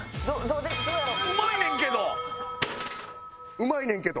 うまいねんけど！